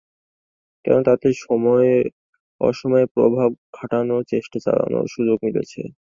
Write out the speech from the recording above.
কেননা, তাতে সময়ে অসময়ে প্রভাব খাটানোর চেষ্টা চালানোর সুযোগ মিলেছে।